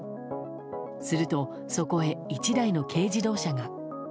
すると、そこへ１台の軽自動車が。